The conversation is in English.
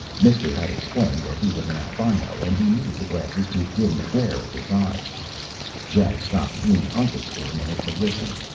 Mister had explained that he was an albino, and he needed the glasses to dim the glare on his eyes. Jack stopped being Uncas for a minute to listen.